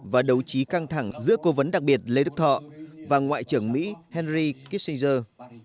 và đấu trí căng thẳng giữa cố vấn đặc biệt lê đức thọ và ngoại trưởng mỹ henry kishingter